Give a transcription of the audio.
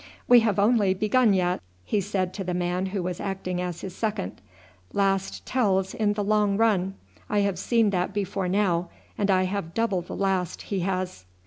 "We have only begun yet," he said to the man who was acting as his second; "last tells in the long run. I have seen that before now, and I have double the last he has."